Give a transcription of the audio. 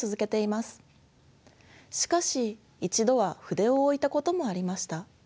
しかし一度は筆を置いたこともありました。